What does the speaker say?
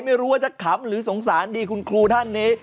ไม่รู้ว่าจะขำหรือสงสารดีคุณครูท่านนี้